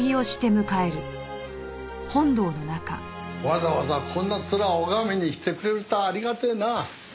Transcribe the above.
わざわざこんな面を拝みに来てくれるとはありがてえな。